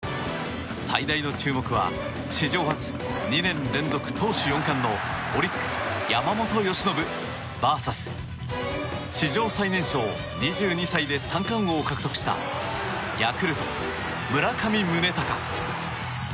最大の注目は史上初、２年連続投手４冠のオリックス、山本由伸ＶＳ史上最年少、２２歳で三冠王を獲得したヤクルト、村上宗隆。